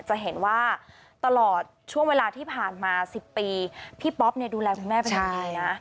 จะเห็นว่าตลอดช่วงเวลาที่ผ่านมา๑๐ปีพี่ป๊อปเนี่ยดูแลคุณแม่เป็นอย่างดีนะ